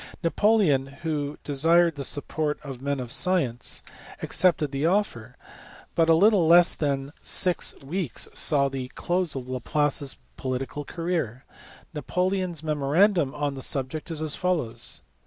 Napoleon, who desired the support of men of science, 426 LAGRANGE, LAPLACE, AND THEIR CONTEMPORARIES. accepted the offer; but a little less than six weeks saw the close of Laplace s political career. Napoleon s memorandum on the subject is as follows.